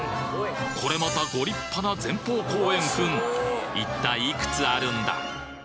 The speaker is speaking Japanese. これまたご立派な前方後円墳一体いくつあるんだ？